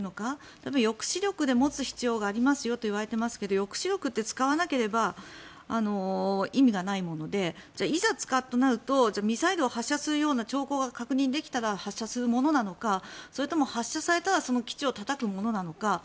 多分、抑止力で持つ必要がありますよと言われていますが抑止力って使わなければ意味がないものでいざ使うとなるとミサイルを発射するような兆候が確認できたら発射するものなのかそれとも発射されたらその基地をたたくものなのか。